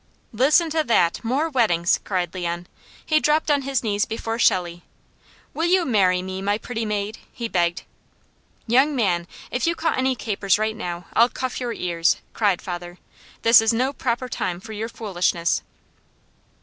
'" "Listen to that! More weddings!" cried Leon. He dropped on his knees before Shelley. "Will you marry me, my pretty maid?" he begged. "Young man, if you cut any capers right now, I'll cuff your ears!" cried father. "This is no proper time for your foolishness!"